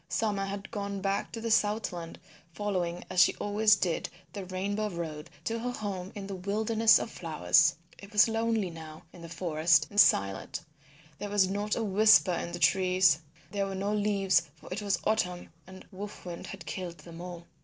Summer had gone back to the Southland following as she always did the Rainbow Road to her home in the Wilderness of Flowers. It was lonely now in the forest and silent; there was not a whisper in the trees; there were no leaves, for it was autumn and Wolf Wind had killed them all.